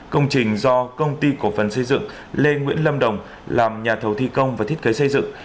công trình do công ty cổ phần xây dựng lê nguyễn lâm đồng làm nhà thầu thi công và thiết kế xây dựng